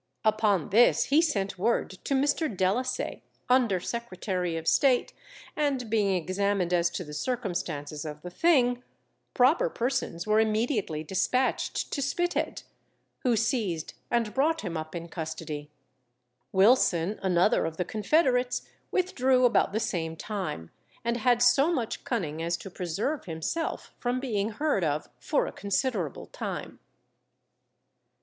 Upon this he sent word to Mr. Delasay, Under Secretary of State, and being examined as to the circumstances of the thing, proper persons were immediately dispatched to Spithead, who seized and brought him up in custody. Wilson, another of the confederates, withdrew about the same time, and had so much cunning as to preserve himself from being heard of for a considerable time.